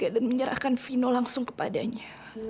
dan menyerahkan vino langsung kepadanya